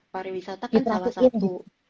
pariwisata kan salah satu